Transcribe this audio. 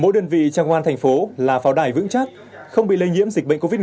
mỗi đơn vị trang quan thành phố là pháo đài vững chắc không bị lây nhiễm dịch bệnh covid một mươi chín